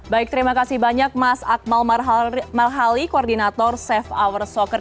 baik terima kasih banyak mas akmal marhali koordinator save our soccer